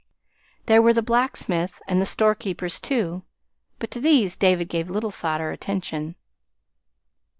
There were the blacksmith and the storekeepers, too, but to these David gave little thought or attention.